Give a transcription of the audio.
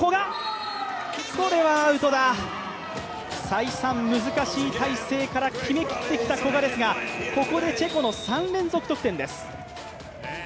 再三、難しい態勢から決めきってきた古賀ですが、ここでチェコの３連続得点です。